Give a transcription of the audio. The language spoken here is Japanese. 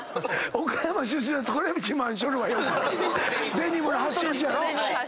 デニムの発祥の地やろ。